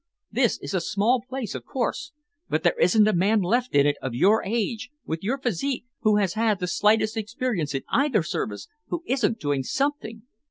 This is a small place, of course, but there isn't a man left in it of your age, with your physique, who has had the slightest experience in either service, who isn't doing something."